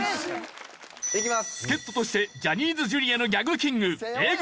助っ人としてジャニーズＪｒ．のギャグキングＡぇ！